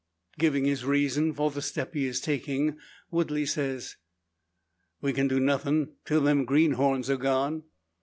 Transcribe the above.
Giving his reason for the step he is taking, Woodley says, "We kin do nothin' till them greenhorns air gone.